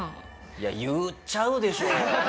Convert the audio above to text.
いや言っちゃうでしょ。